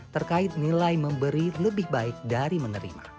terkait nilai memberi lebih baik dari menerima